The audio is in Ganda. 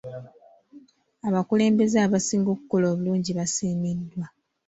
Abakulembeze abaasinga okukola obulungi baasiimiddwa.